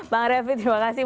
bang revit terima kasih